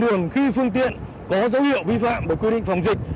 thường khi phương tiện có dấu hiệu vi phạm về quy định phòng dịch